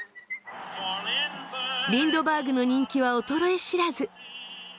リンドバーグの人気は衰え知らず。